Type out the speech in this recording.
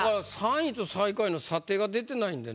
３位と最下位の査定が出てないんでね。